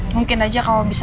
mungkin saja kamu bisa